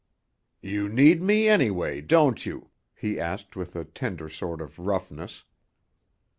"You need me, anyway, don't you?" he asked with a tender sort of roughness.